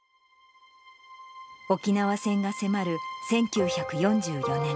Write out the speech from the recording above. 沖縄戦が迫る１９４４年８月。